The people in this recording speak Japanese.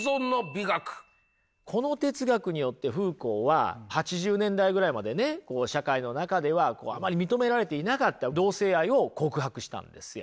この哲学によってフーコーは８０年代ぐらいまでねこう社会の中ではあまり認められていなかった同性愛を告白したんですよ。